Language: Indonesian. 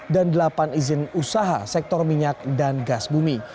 dan delapan izin usaha sektor minyak dan gas bumi